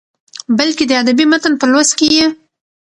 بلکې د ادبي متن په لوست کې يې